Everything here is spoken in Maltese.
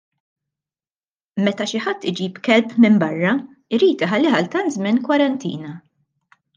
Meta xi ħadd iġib kelb minn barra jrid iħallih għal tant żmien kwarantina.